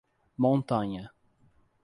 Montanha